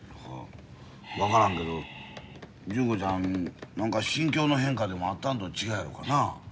分からんけど純子ちゃん何か心境の変化でもあったんと違うやろかな。